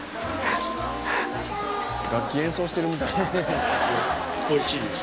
楽器演奏してるみたい。